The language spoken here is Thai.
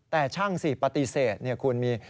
แต่ช่างสิปฏิเสธคุณมี